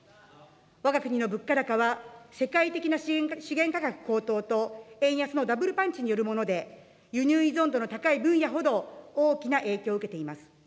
わが国の物価高は、世界的な資源価格高騰と円安のダブルパンチによるもので、輸入依存度の高い分野ほど大きな影響を受けています。